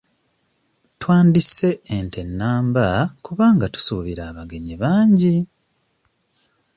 Twandisse ente namba kuba tusuubira abagenyi bangi.